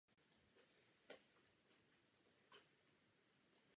Hlava je oproti zbytku těla poměrně malá s velkýma očima.